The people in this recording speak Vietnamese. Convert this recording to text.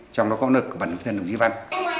trong đó có nực của bản thân đồng chí văn